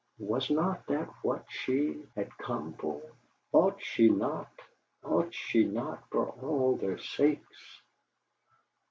Was not that what she had come for? Ought she not ought she not for all their sakes?